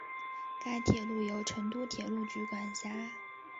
该铁路由成都铁路局管辖。